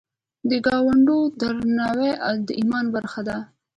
د ګاونډي درناوی د ایمان برخه ده